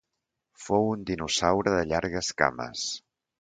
Fou un dinosaure de llargues cames.